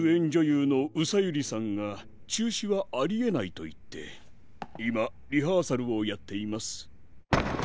ゆうのうさゆりさんがちゅうしはありえないといっていまリハーサルをやっています。